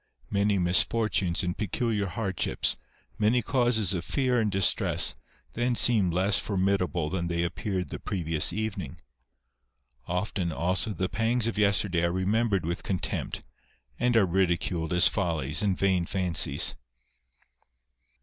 Many misfortunes and peculiar hardships, many causes of fear and distress, then seem less for midable than they appeared the previous evening. Often, also, the pangs of yesterday are remembered w4th con tempt, and are ridiculed as follies and vain fancies.